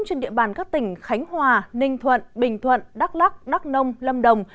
trên địa bàn các tỉnh khánh hòa ninh thuận bình thuận đắk lắc đắk nông lâm đồng